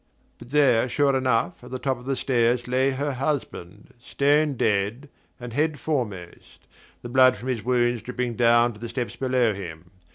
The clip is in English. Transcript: But there, sure enough, at the top of the stairs lay her husband, stone dead, and head foremost, the blood from his wounds dripping down to the steps below him.